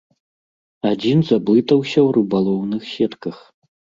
Адзін заблытаўся ў рыбалоўных сетках.